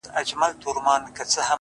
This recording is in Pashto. چي له بې ميني ژونده!!